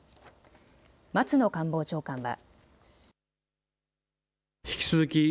松野官房長官は。